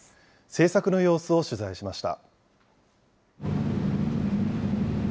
制作の様子を取材しました。